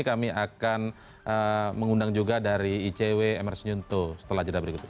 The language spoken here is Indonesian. kami akan mengundang juga dari icw emers yunto setelah jeda berikut ini